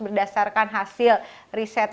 berdasarkan hasil riset